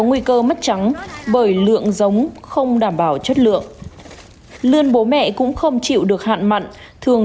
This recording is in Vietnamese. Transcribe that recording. nguy cơ mất trắng bởi lượng giống không đảm bảo chất lượng lươn bố mẹ cũng không chịu được hạn mặn thường